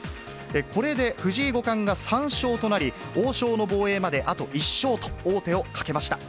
これで藤井五冠が３勝となり、王将の防衛まで、あと１勝と王手をかけました。